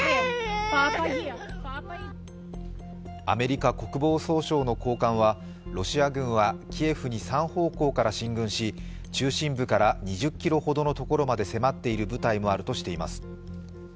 アメリカ国防総省の高官は、ロシア軍はキエフに３方向から進軍し、中心部から２０ｋｍほどのところまで迫っている部隊もあるとしています。